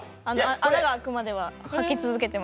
穴が開くまでは履き続けてました。